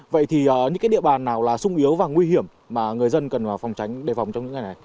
vậy thì những cái địa bàn nào là sung yếu và nguy hiểm mà người dân cần phòng tránh đề phòng trong những ngày này